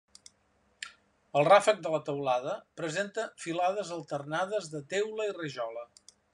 El ràfec de la teulada presenta filades alternades de teula i rajola.